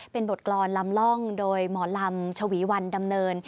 เป็นบทกรรมลำล่องโดยหมอลำชวีวันดำเนิน